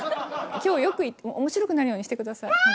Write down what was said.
今日よく面白くなるようにしてください。